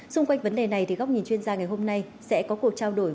xung quanh vấn đề này thì góc nhìn chuyên gia ngày hôm nay sẽ có cuộc trao đổi